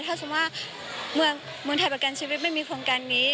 ถ้าสมมุติว่าเมืองไทยประกันชีวิตไม่มีโครงการนี้